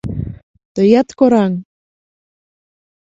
— Тыят кораҥ!